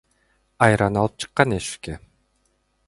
Айран алып чыккан эшикке.